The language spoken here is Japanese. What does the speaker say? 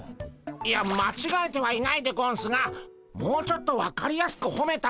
いやまちがえてはいないでゴンスがもうちょっと分かりやすくほめた方が。